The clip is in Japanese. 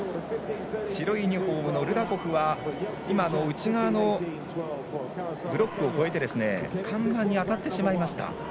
白いユニフォームのルダコフは今、ブロックを越えて看板に当たってしまいました。